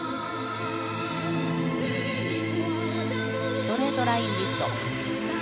ストレートラインリフト。